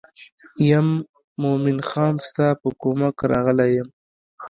یم مومن خان ستا په کومک راغلی یم.